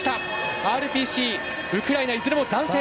ＲＰＣ、ウクライナいずれも男性。